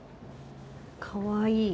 かわいい。